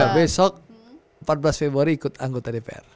besok empat belas februari ikut anggota dpr